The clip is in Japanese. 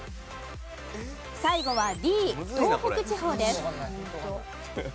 最後はＤ東北地方です。